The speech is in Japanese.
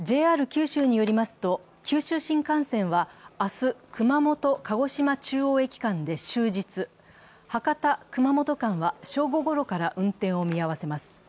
ＪＲ九州によりますと、九州新幹線は明日、熊本−鹿児島中央駅間で終日博多−熊本間は正午ごろから運転を見合わせます。